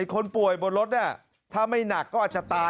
คนป่วยบนรถนี่